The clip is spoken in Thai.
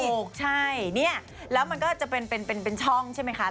ถูกใช่เนี่ยแล้วมันก็จะเป็นช่องใช่ไหมคะ